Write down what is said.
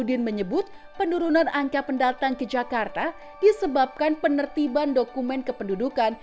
menyebut penurunan angka pendatang ke jakarta disebabkan penertiban dokumen kependudukan